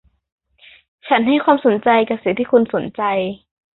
ฉันให้ความสนใจกับสิ่งที่คุณสนใจ